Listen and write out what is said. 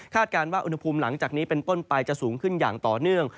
การว่าอุณหภูมิหลังจากนี้เป็นต้นไปจะสูงขึ้นอย่างต่อเนื่อง